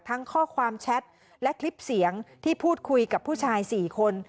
ข้อความแชทและคลิปเสียงที่พูดคุยกับผู้ชาย๔คน